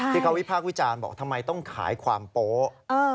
วิพากษ์วิจารณ์บอกทำไมต้องขายความโป๊ะ